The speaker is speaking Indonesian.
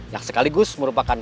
yang sekaligus merupakan